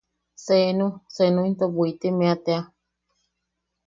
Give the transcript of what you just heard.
Senu... senu into Bwitimeʼa tea.